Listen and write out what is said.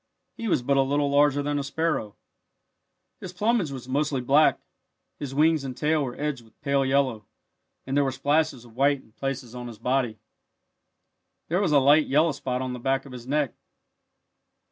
He was but a little larger than a sparrow. His plumage was mostly black. His wings and tail were edged with pale yellow, and there were splashes of white in places on his body. There was a light yellow spot on the back of his neck.